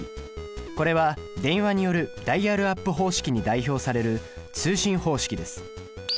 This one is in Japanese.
これは電話によるダイヤルアップ方式に代表される通信方式です。